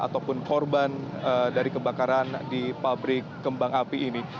ataupun korban dari kebakaran di pabrik kembang api ini